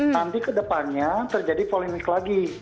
nanti ke depannya terjadi polemik lagi